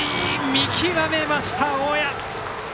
見極めました、大矢。